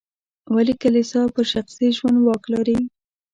ولې کلیسا پر شخصي ژوند واک لري.